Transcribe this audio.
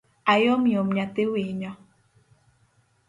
Ayomyom nyathi winyo